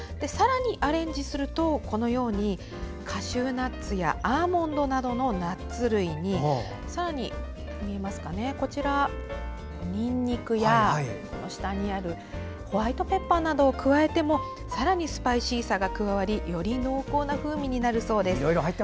さらにアレンジするとこのように、カシューナッツやアーモンドなどのナッツ類にさらに、にんにくやホワイトペッパーなどを加えてもさらにスパイシーさが加わりより濃厚な風味になるそうです。